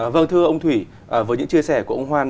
vâng thưa ông thủy với những chia sẻ của ông hoan